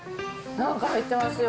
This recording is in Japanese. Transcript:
なんか入ってますよ。